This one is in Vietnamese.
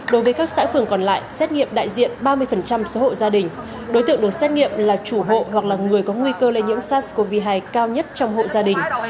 đối với các xã phường còn lại xét nghiệm đại diện ba mươi số hộ gia đình đối tượng được xét nghiệm là chủ hộ hoặc là người có nguy cơ lây nhiễm sars cov hai cao nhất trong hộ gia đình